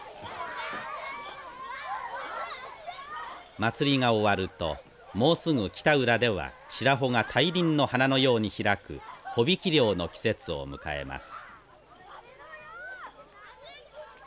祭りが終わるともうすぐ北浦では白帆が大輪の花のように開く帆引き漁の季節を迎えます。